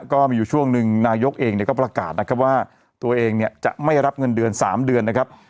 ก็มีอยู่ช่วงหนึ่งนายกเองก็ประกาศนะครับว่าตัวเองเนี่ยจะไม่รับเงินเดือน๓เดือนนะครับ